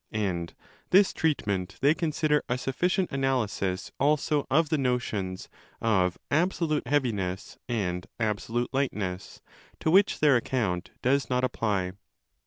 And this treatment they consider a sufficient analysis also of the notions of absolute heaviness and absolute lightness, to which their account does not apply.